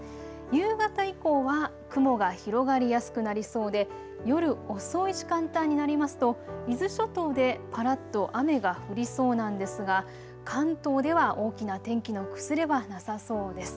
夕方以降は雲が広がりやすくなりそうで夜遅い時間帯になりますと伊豆諸島でぱらっと雨が降りそうなんですが関東では大きな天気の崩れはなさそうです。